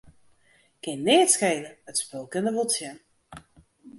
Kin neat skele, it spul kin der wol tsjin.